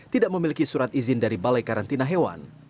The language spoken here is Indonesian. tidak memiliki surat izin dari balai karantina hewan